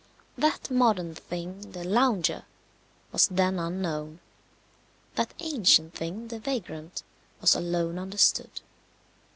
That modern thing, the lounger, was then unknown; that ancient thing, the vagrant, was alone understood.